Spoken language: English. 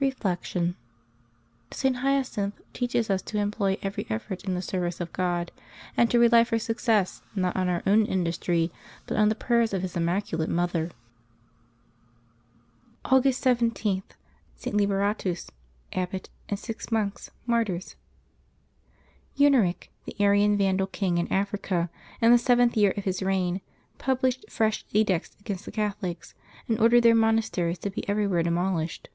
Reflection. — St. Hyacinth teaches us to employ every effort in the service of God, and to rely for success not on our own industry, but on the prayer of His Immaculate Mother. August 17. — ST. LIBERATUS, Abbot, and Six Monks, Martyrs. GUNEEic, the Arian Vandal king in Africa, in the seventh year of his reign, published fresh edicts against the Catholics, and ordered their monasteries to be everywhere demolished.